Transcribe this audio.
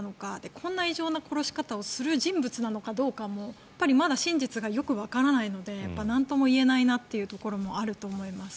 こんな異常な殺し方をする人物なのかどうかもまだ真実がよくわからないのでなんとも言えないなというところもあると思います。